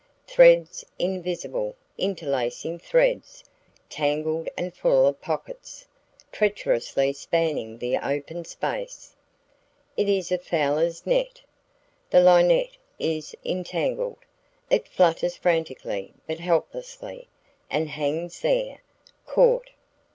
Threads! Invisible, interlacing threads; tangled and full of pockets, treacherously spanning the open space. It is a fowler's net! The linnet is entangled. It flutters frantically but helplessly, and hangs there, caught.